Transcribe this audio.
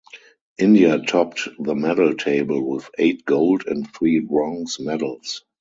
India topped the medal table with eight gold and three bronze medals.